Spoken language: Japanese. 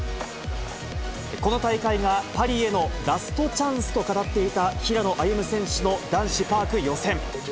この大会がパリへのラストチャンスと語っていた平野歩夢選手の、男子パーク予選。